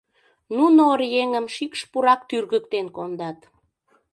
Нуно оръеҥым шикш-пурак тӱргыктен кондат.